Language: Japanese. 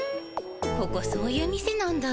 ここそういう店なんだ。